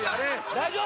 ・大丈夫？